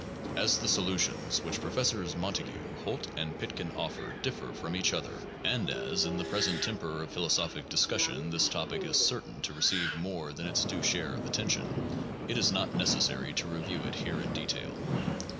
As the solutions which Professors Montague, Holt, and Pitkin offer differ from each other, and as 210 THE JOURNAL OF PHILOSOPHY in the present temper of philosophic discussion this topic is certain to receive more than its due share of attention, it is not necessary to review it here in detail.